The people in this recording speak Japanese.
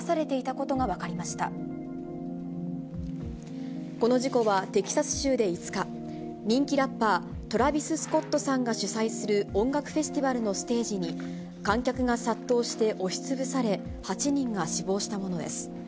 この事故は、テキサス州で５日、人気ラッパー、トラビス・スコットさんが主催する音楽フェスティバルのステージに、観客が殺到して押しつぶされ、８人が死亡したものです。